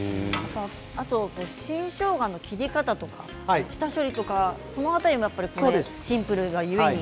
あと新しょうがの切り方とか下処理とかその辺りもやっぱりシンプルが故に。